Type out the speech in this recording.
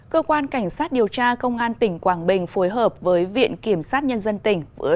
cơ quan cảnh sát điều tra công an tỉnh quảng bình phối hợp với viện kiểm sát nhân dân tỉnh